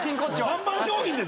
看板商品ですよ